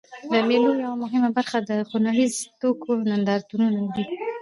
د مېلو یوه مهمه برخه د خوړنیزو توکو نندارتونونه دي.